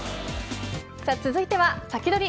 さあ続いてはサキドリ！